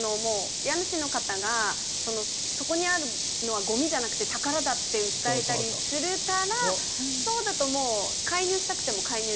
家主の方がそこにあるのはゴミじゃなくて宝だって訴えたりするからそうだともう介入したくても介入できない。